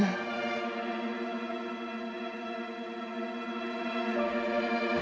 aku masih tidak percaya kamu menggugurkannya